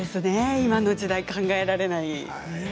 今の時代、考えられない。